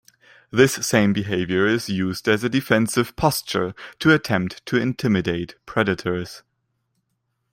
This same behavior is used as a defensive posture to attempt to intimidate predators.